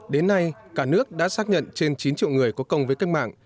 đến nay cả nước đã xác nhận trên chín triệu người có công với cách mạng